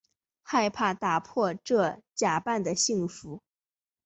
害怕打破这假扮的幸福